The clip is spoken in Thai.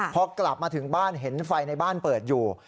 พอกลับมาถึงบ้านเห็นไฟในบ้านเปิดอยู่